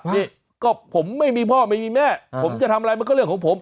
นี่ก็ผมไม่มีพ่อไม่มีแม่ผมจะทำอะไรมันก็เรื่องของผม